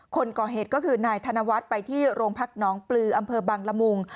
คนก่อเหตุก็คือนายธนวัฒน์ไปที่โรงพักน้องปลืออำเภอบังละมุง